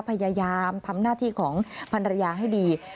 พยายามทำหน้าที่ของพันรยาให้ดี